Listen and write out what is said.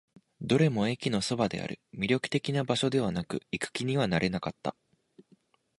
どれも駅のそばにある。魅力的な場所ではなく、行く気にはなれなかった。